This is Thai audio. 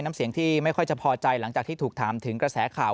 น้ำเสียงที่ไม่ค่อยจะพอใจหลังจากที่ถูกถามถึงกระแสข่าว